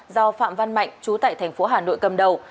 do phạm văn mạnh chú tại tp hà nội cầm đầu